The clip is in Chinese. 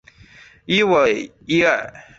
伊维耶尔。